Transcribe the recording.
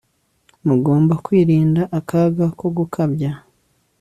Mugomba kwirinda akaga ko gukabya